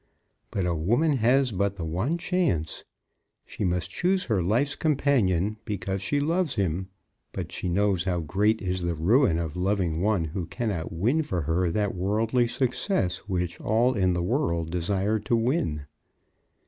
But a woman has but the one chance. She must choose her life's companion because she loves him; but she knows how great is the ruin of loving one who cannot win for her that worldly success which all in the world desire to win.